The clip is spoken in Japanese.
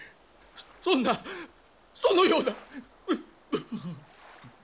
そんなそのような。うっ。